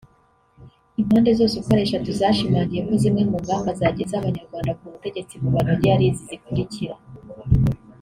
Impande zose uko ari eshatu zashimangiye ko zimwe mu ngamba zageza abanyarwanda ku butegetsi bubanogeye ari izi zikurikira